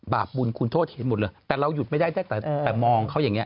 บาปบุญคุณโทษเห็นหมดเลยแต่เราหยุดไม่ได้ตั้งแต่มองเขาอย่างนี้